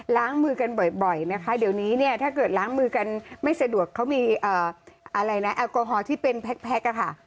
ล้างมือกันบ่อยนะคะเดี๋ยวนี้เนี่ยถ้าเกิดล้างมือกันไม่สะดวกเขามีอะไรนะแอลกอฮอล์ที่เป็นแพ็คค่ะ